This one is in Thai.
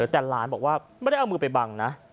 แต่หลานบอกว่าไม่ได้เอามือไปบังนะ